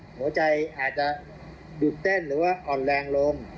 หัวใจอาจจะดูดเต้นหรือว่าอ่อนแรงลง